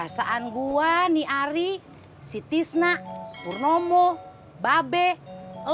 perasaan gua nih ari si tisnak purnomo babe elu